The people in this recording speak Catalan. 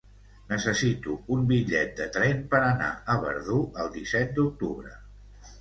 Necessito un bitllet de tren per anar a Verdú el disset d'octubre.